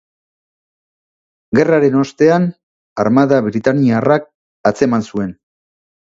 Gerraren ostean, armada britainiarrak atzeman zuen.